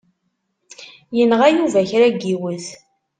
Yenɣa Yuba kra n yiwet.